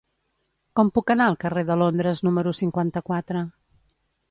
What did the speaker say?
Com puc anar al carrer de Londres número cinquanta-quatre?